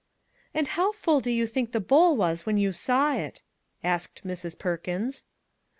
" And how full did you think the bowl was when you saw it?" asked Mrs. Perkins.